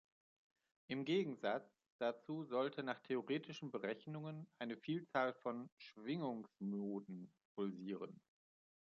Im Gegensatz dazu sollte nach theoretischen Berechnungen eine Vielzahl von Schwingungsmoden pulsieren.